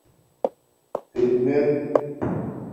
خدمݵت